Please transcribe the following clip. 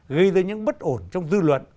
gây ra những bất ổn trong dư luận